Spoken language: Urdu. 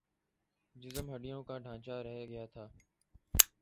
جسم ہڈیوں کا ڈھانچا رہ گیا تھا